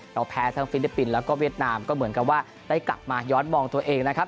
แพ้ทั้งฟิลิปปินส์แล้วก็เวียดนามก็เหมือนกับว่าได้กลับมาย้อนมองตัวเองนะครับ